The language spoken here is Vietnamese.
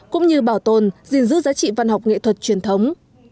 cũng như bảo tồn gìn giữ giá trị văn học nghệ thuật truyền thống